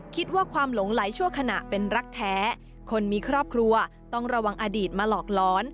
คิดว่าความหลงไหลชั่วขณะเป็นรักแท้คนมีครอบครัวต้องระวังอดีตมาหลอกร้อน